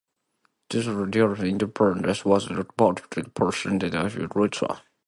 The Declaration of Independence was adopted pursuant to the Lee Resolution.